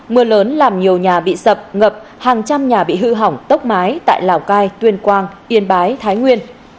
mưa lớn làm nhiều nhà bị sập ngập hàng trăm nhà bị hư hỏng tốc mái tại lào cai tuyên quang yên bái thái nguyên